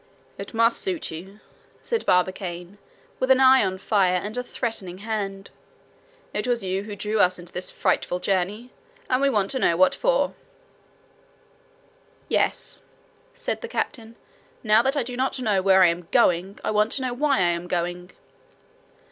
" It must suit you," said Barbicane, with an eye on fire and a threatening hand. "It was you who drew us into this frightful journey, and we want to know what for." "Yes," said the captain, "now that I do not know where I am going, I want to know why I am going."